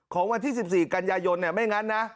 วันที่๑๔กันยายนไม่งั้นนะ